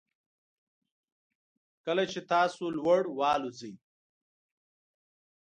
کله چې تاسو لوړ والوځئ